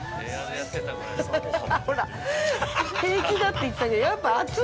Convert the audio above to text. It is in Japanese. ほら、平気だって言ったけどやっぱ熱い。